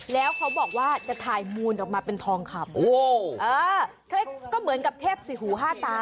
แล้วเขาบอกว่าจะถ่ายมูลออกมาเป็นทองคำก็เหมือนกับเทพสี่หูห้าตา